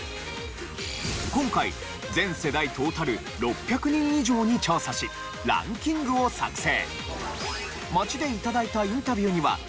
今回全世代トータル６００人以上に調査しランキングを作成。